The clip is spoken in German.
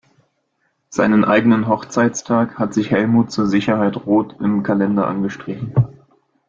Seinen eigenen Hochzeitstag hat sich Helmut zur Sicherheit rot im Kalender angestrichen.